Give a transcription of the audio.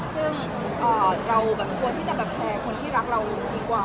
ซึ่งเราแบบควรที่จะแบบแชร์คนที่รักเราดีกว่า